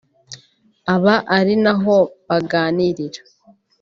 aba ari na ho baganirira